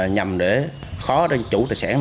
nhằm để khó để chủ tài sản